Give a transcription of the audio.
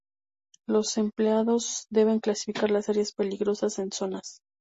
Los empleados deben clasificar las áreas peligrosas en zonas.